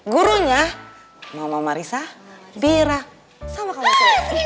gurunya mama marissa bira sama kamu semua